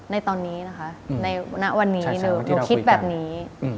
ในตอนนี้นะคะในณวันนี้หนูคิดแบบนี้